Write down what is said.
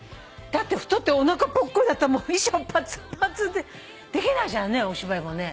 だって太っておなかぽっこりだったら衣装パツパツでできないじゃんねお芝居もね。